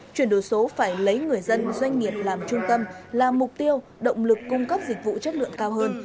chuyển đổi số phải lấy người dân doanh nghiệp làm trung tâm làm mục tiêu động lực cung cấp dịch vụ chất lượng cao hơn